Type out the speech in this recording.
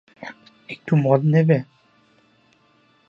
একটু মদ নেবে?